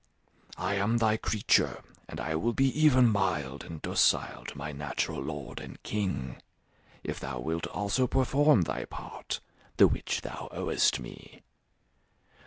I am thy creature, and I will be even mild and docile to my natural lord and king if thou wilt also perform thy part, the which thou owest me.